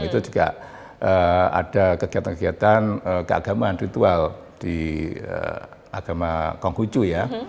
itu juga ada kegiatan kegiatan keagamaan ritual di agama konghucu ya